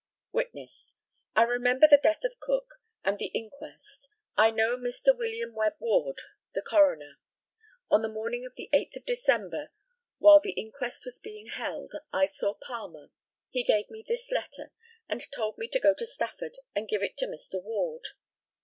Witness: I remember the death of Cook, and the inquest. I know Mr. William Webb Ward, the coroner. On the morning of the 8th of December, while the inquest was being held, I saw Palmer. He gave me this letter, and told me to go to Stafford and give it to Mr. Ward.